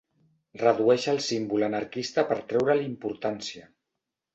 Redueix el símbol anarquista per treure-li importància.